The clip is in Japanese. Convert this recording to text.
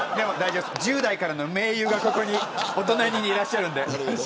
１０代からの盟友がお隣にいらっしゃるんで。